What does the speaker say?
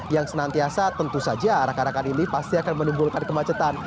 yang senantiasa tentu saja arak arakan ini pasti akan menimbulkan kemacetan